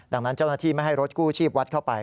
ดังนั้นเจ้าหน้าที่ไม่ให้รถกู้ชีพวัดเข้าไป